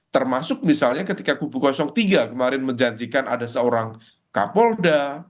termasuk misalnya ketika kubu tiga kemarin menjanjikan ada seorang kapolda